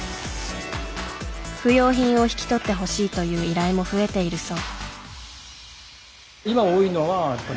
不要品を引き取ってほしいという依頼も増えているそう。